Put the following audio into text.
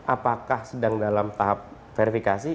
apakah sedang dalam tahap verifikasi